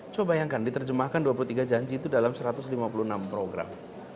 coba bayangkan diterjemahkan dua puluh tiga janji itu dalam satu ratus lima puluh enam program